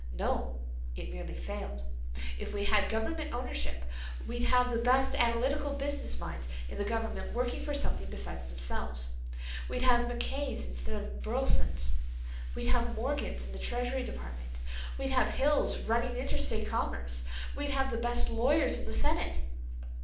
"No—it merely failed. If we had government ownership we'd have the best analytical business minds in the government working for something besides themselves. We'd have Mackays instead of Burlesons; we'd have Morgans in the Treasury Department; we'd have Hills running interstate commerce. We'd have the best lawyers in the Senate."